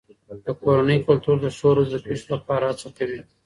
د کورنۍ کلتور د ښو ورځو د پیښو لپاره هڅه کوي.